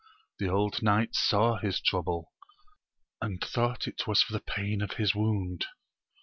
The old knight saw his trouble, and thought it was for the pain of his wound.